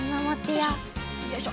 よいしょ！